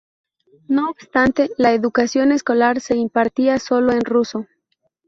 No obstante, la educación escolar se impartía sólo en ruso.